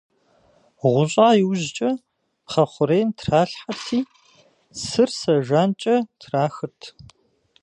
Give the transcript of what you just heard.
Гъуща иужькӀэ, пхъэ хъурейм тралъхьэрти, цыр сэ жанкӀэ трахырт.